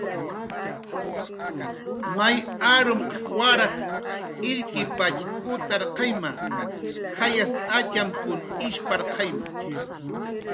Arum qanqshuym waraj illkipatxa, jayas atxamkun ishapkipatxa